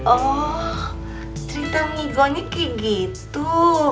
oh cerita migo nya kayak gitu